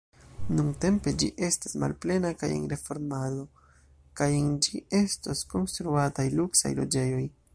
Nuntempe ĝi estas malplena kaj en reformado, kaj en ĝi estos konstruataj luksaj loĝejoj.